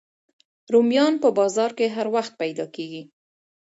رومیان په بازار کې هر وخت پیدا کېږي